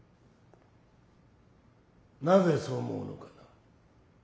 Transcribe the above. なぜそう思うのかな？